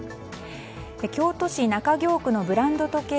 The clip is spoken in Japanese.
京都市中京区のブランド時計